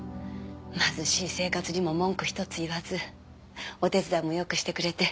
貧しい生活にも文句一つ言わずお手伝いもよくしてくれて。